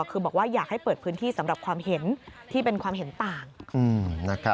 คือบอกว่าอยากให้เปิดพื้นที่สำหรับความเห็นที่เป็นความเห็นต่าง